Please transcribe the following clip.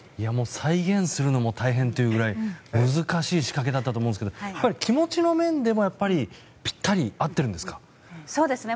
再現するのも大変というぐらい難しい仕掛けだったと思うんですがやっぱり気持ちの面でもぴったり合ってるんですか？